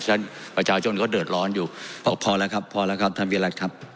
ประชาชนก็เดือดร้อนอยู่พอแล้วครับพอแล้วครับท่านวิรัติครับ